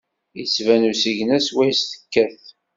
Ittban usigna syawes tekkat.